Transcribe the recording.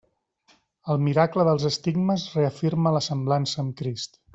El miracle dels estigmes reafirma la semblança amb Crist.